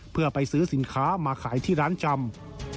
เพื่อไปซื้อสินค้ามาขายที่ร้านจำ